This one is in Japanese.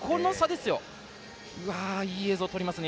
いい映像取りますね